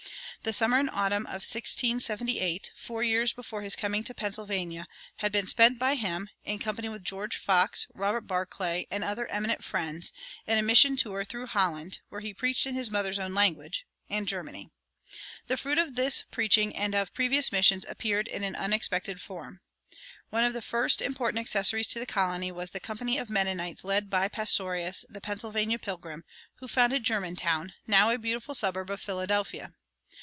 The summer and autumn of 1678, four years before his coming to Pennsylvania, had been spent by him, in company with George Fox, Robert Barclay, and other eminent Friends, in a mission tour through Holland (where he preached in his mother's own language) and Germany. The fruit of this preaching and of previous missions appeared in an unexpected form. One of the first important accessions to the colony was the company of Mennonites led by Pastorius, the "Pennsylvania Pilgrim," who founded Germantown, now a beautiful suburb of Philadelphia.